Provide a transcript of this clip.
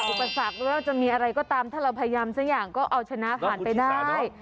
อุปสรรคไม่ว่าจะมีอะไรก็ตามถ้าเราพยายามสักอย่างก็เอาชนะผ่านไปได้